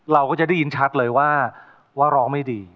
เราก็จะได้ยินชัดเลยว่าร้องไม่ดี